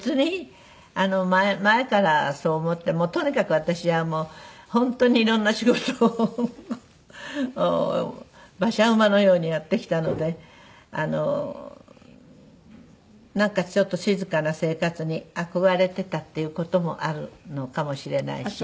とにかく私は本当に色んな仕事を馬車馬のようにやってきたのでなんかちょっと静かな生活に憧れていたっていう事もあるのかもしれないし。